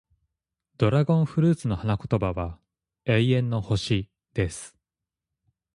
ドラゴンフルーツの花言葉は、永遠の星、です。